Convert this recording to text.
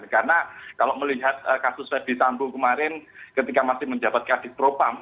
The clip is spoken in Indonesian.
karena kalau melihat kasus fd sampo kemarin ketika masih menjabatkan di propam